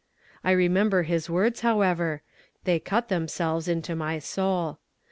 I remember his words, however; they cut themselves into my soul.